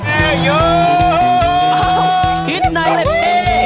อ้าวฮิตไนท์เลยเฮ้ย